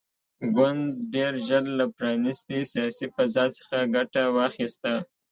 ګوند ډېر ژر له پرانیستې سیاسي فضا څخه ګټه واخیسته.